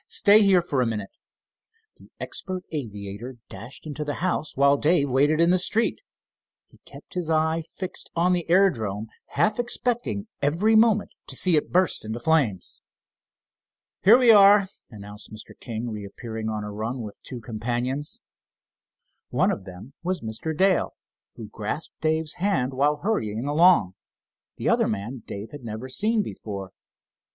Stay here for a minute." The expert aviator dashed into the house, while Dave waited in the street. He kept his eye fixed on the aerodrome, half expecting every moment to see it burst into flames. "Here we are," announced Mr. King, reappearing on a run with two companions. One of them was Mr. Dale, who grasped Dave's hand while hurrying along. The other man Dave had never seen before.